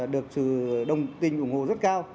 được sự đồng tình ủng hộ rất cao